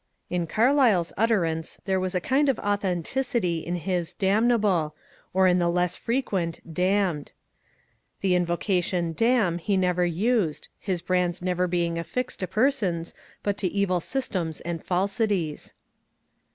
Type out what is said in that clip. In Carlyle's utterance there BALLOT BOXING 397 was a kind of authenticity in his '^ damnable/' or in the less frequent ^' damned." The invocation ^^ damn '* he never used, his brands never being affixed to persons but to evil systems and falsities.